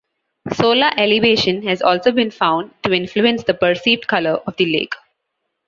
Solar elevation has also been found to influence the perceived colour of the lake.